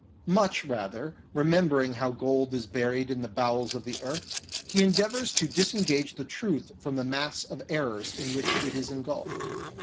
Much rather, remember ing how gold is buried in the bowels of the earth, he endeavours to disengage the truth from the mass of errors in which it is engulfed.